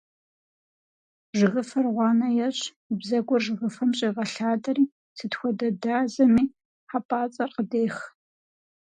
Жыгыфэр гъуанэ ещӀ, и бзэгур жыгыфэм щӀегъэлъадэри сыт хуэдэ дазэми хьэпӀацӀэр къыдех.